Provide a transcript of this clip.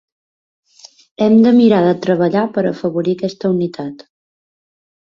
Hem de mirar de treballar per afavorir aquesta unitat.